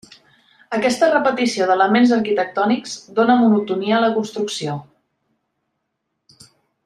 Aquesta repetició d'elements arquitectònics dóna monotonia a la construcció.